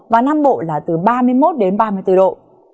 và nam bộ là từ ba mươi một đến ba mươi bốn độ